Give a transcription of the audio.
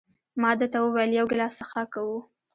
ما ده ته وویل: یو ګیلاس څښاک کوو؟